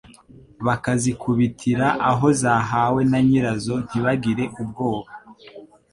Bakazikubitira aho zahawe na nyirazo ntibagire ubwoba,